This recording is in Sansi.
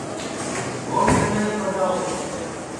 ڈھول سینائیاں ٻجاؤ